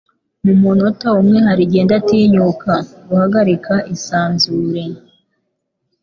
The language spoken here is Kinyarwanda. Mu munota umwe hari igihe Ndatinyuka Guhagarika isanzure?